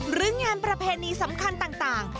หรืองานประเพณีสำคัญต่าง